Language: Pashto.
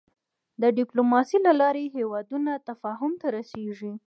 د د ډيپلوماسی له لارې هېوادونه تفاهم ته رسېږي.